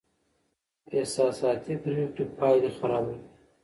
احساساتي پرېکړې پایلې خرابوي.